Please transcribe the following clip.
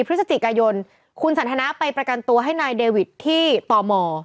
พฤศจิกายนคุณสันทนาไปประกันตัวให้นายเดวิทที่ตม